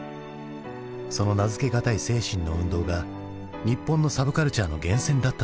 その名付け難い精神の運動が日本のサブカルチャーの源泉だったとしたら？